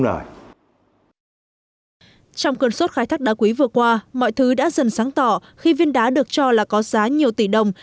trong cơn sốt khai thác đá quý vừa qua mọi thứ đã dần sáng tỏ khi viên đá được cho là có giá nhiều tỷ đồng